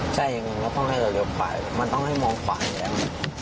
ใช่อย่างนึงก็ต้องให้เราเลี้ยวขวายมันต้องให้มองขวายแหละ